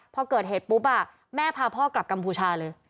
พอเกิดเหตุปุ๊บแม่พาพ่อกลับกัมพูชาเลย